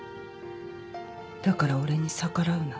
だから俺に逆らうな。